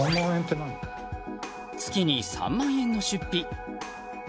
月に３万円の出費。